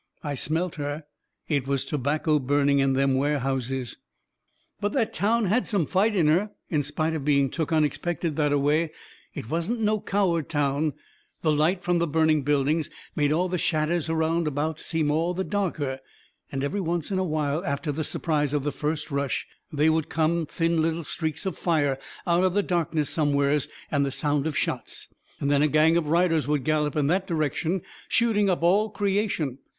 I smelt her. It was tobacco burning in them warehouses. But that town had some fight in her, in spite of being took unexpected that a way. It wasn't no coward town. The light from the burning buildings made all the shadders around about seem all the darker. And every once in a while, after the surprise of the first rush, they would come thin little streaks of fire out of the darkness somewheres, and the sound of shots. And then a gang of riders would gallop in that direction shooting up all creation.